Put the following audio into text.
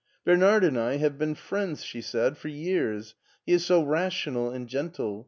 " Bernard and I have been friends," she said, for years. He is so rational and gentle.